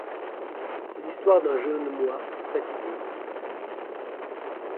C'est l'histoire d'un jeune moi fatigué.